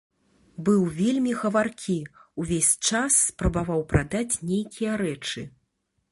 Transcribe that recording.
Быў вельмі гаваркі, увесь час спрабаваў прадаць нейкія рэчы.